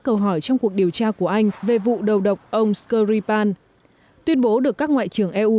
cáo buộc trong cuộc điều tra của anh về vụ đầu độc ông shkripal tuyên bố được các ngoại trưởng eu